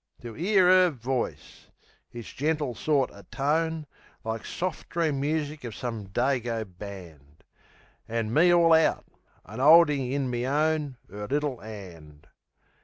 To 'ear 'er voice! Its gentle sorter tone, Like soft dream music of some Dago band. An' me all out; an' 'oldin' in me own 'Er little 'and.